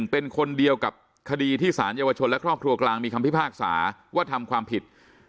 เป็นคนเดียวกับคดีที่สารเยาวชนและครอบครัวกลางมีคำพิพากษาว่าทำความผิด